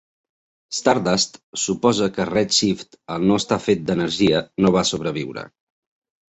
Stardust suposa que Red Shift, al no estar fet d'energia, no va sobreviure.